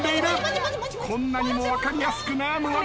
こんなにも分かりやすく悩むわんこ。